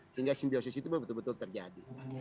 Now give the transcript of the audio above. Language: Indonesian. sehingga simbiosisi itu betul betul terjadi